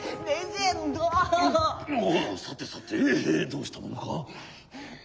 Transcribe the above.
さてさてどうしたものか。